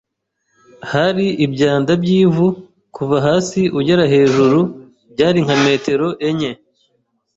hari ibyanda by’ivu kuva hasi ugera hejuru byari nka metero enye